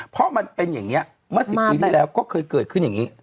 เพราะมันเป็นอย่างนี้เมื่อ๑๐ปีที่แล้วก็เคยเกิดขึ้นอย่างนี้